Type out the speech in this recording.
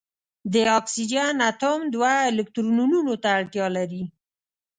د اکسیجن اتوم دوه الکترونونو ته اړتیا لري.